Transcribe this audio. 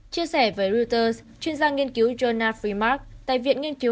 chia sẻ với reuters chuyên gia nghiên cứu jonah fremark tài viện nghiên cứu